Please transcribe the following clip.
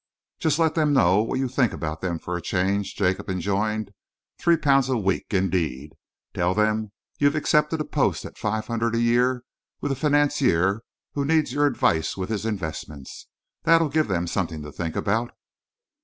"Just let them know what you think about them, for a change," Jacob enjoined. "Three pounds a week, indeed! Tell them you've accepted a post at five hundred a year with a financier who needs your advice with his investments. That'll give them something to think about!"